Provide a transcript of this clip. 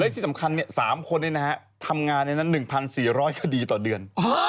ยังที่สำคัญ๓คนทำงาน๑๔๐๐คดีต่อเดือน